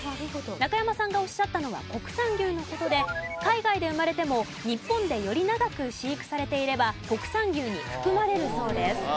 中山さんがおっしゃったのは国産牛の事で海外で生まれても日本でより長く飼育されていれば国産牛に含まれるそうです。